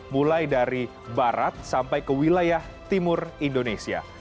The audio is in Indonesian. mulai dari barat sampai ke wilayah timur indonesia